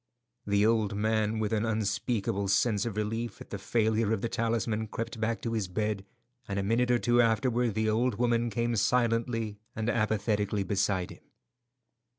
The old man, with an unspeakable sense of relief at the failure of the talisman, crept back to his bed, and a minute or two afterward the old woman came silently and apathetically beside him.